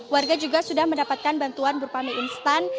warga juga sudah mendapatkan bantuan berpamil instan